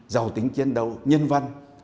giàu tính chiến đấu nhân văn